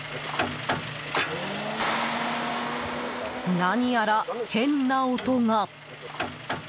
何やら変な音が。